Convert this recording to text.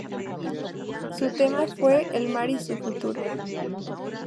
Su tema fue "El mar y su futuro".